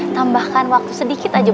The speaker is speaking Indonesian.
tambahkan waktu sedikit aja